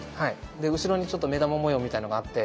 で後ろにちょっと目玉模様みたいのがあって。